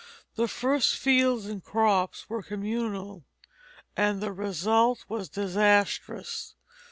The first fields and crops were communal, and the result was disastrous.